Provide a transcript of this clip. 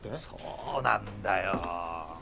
そうなんだよ。